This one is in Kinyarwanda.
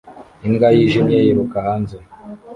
Imbwa yijimye yiruka hanze